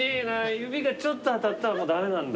指がちょっと当たったらもう駄目なんだ。